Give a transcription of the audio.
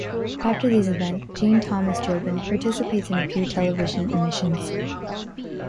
After these events, Jean-Thomas Jobin participates in a few television emissions.